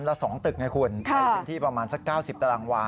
และสองตึกไงคุณค่ะที่ประมาณสักเก้าสิบตารางวา